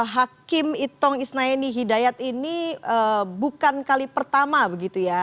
hakim itong isnaini hidayat ini bukan kali pertama begitu ya